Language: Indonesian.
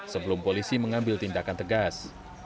sebelum polisi mengambil tindakan tegas